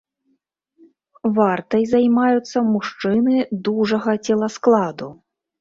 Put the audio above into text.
Вартай займаюцца мужчыны дужага целаскладу.